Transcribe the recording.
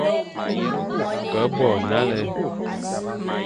Ke bo nale,